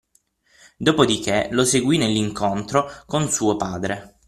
dopodiché, lo seguì nell’incontro con suo padre.